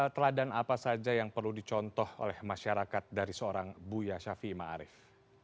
teladan apa saja yang perlu dicontoh oleh masyarakat dari seorang buya shafi'i ma'arif